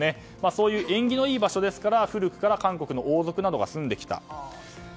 そういう縁起のいい場所ですから古くから韓国の王族などが住んできた。